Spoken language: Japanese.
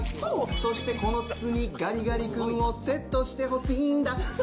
そしてこの筒にガリガリ君をセットしてほしーんだ。